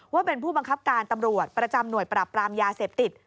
ว่าเป็นผู้บังคับการตำรวจประจำหน่วยปราบปรามยาเสพติด